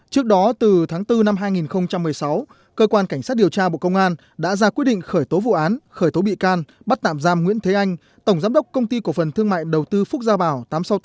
trước đó từ tháng bốn năm hai nghìn một mươi sáu cơ quan cảnh sát điều tra bộ công an đã ra quyết định khởi tố vụ án khởi tố bị can bắt tạm giam nguyễn thế anh tổng giám đốc công ty cổ phần thương mại đầu tư phúc gia bảo tám trăm sáu mươi tám